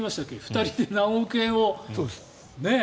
２人で何億円をね。